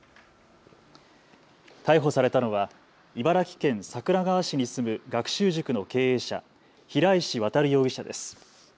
逮捕されたのは茨城県桜川市に住む学習塾の経営者、平石渉容疑者です。